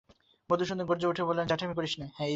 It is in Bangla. মধুসূদন গর্জন করে উঠে বললে, জ্যাঠামি করিস নে।